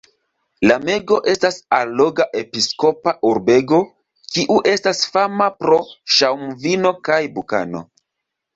Lamego estas alloga episkopa urbego, kiu estas fama pro ŝaŭmvino kaj bukano.